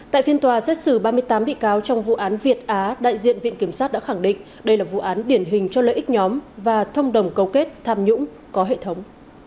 tại phiên tòa xét xử ba mươi tám bị cáo trong vụ án việt á đại diện viện kiểm sát đã khẳng định đây là vụ án điển hình cho lợi ích nhóm và thông đồng cấu kết tham nhũng có hệ thống